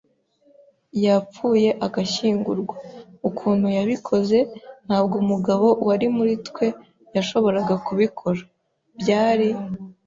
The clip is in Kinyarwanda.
yapfuye agashyingurwa. Ukuntu yabikoze, ntabwo umugabo wari muri twe yashoboraga kubikora. Byari